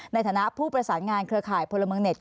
ในฐานะผู้ประสานงานเครือข่ายพลเมืองเน็ต